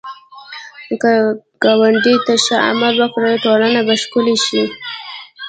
که ګاونډي ته ښه عمل وکړې، ټولنه به ښکلې شي